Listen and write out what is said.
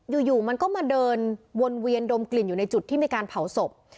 อยู่มันก็มาเดินวนเวียนดมกลิ่นอยู่ในจุดที่มีการเผาศพ